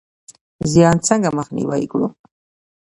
زیان څنګه مخنیوی کړو؟